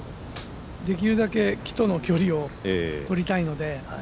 できるだけ木との距離を取りたいので。